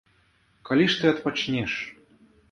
Калі ж ты адпачнеш?